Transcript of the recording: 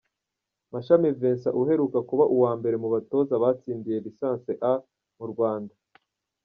Mashami Vincent uheruka kuba uwa mbere mu batoza batsindiye License A mu Rwanda.